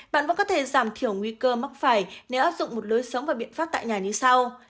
bạn vẫn có thể giảm thiểu nguy cơ mắc phải nếu áp dụng một lối sống và biện pháp tại nhà như sau